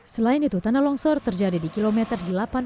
selain itu tanah longsor terjadi di kilometer delapan puluh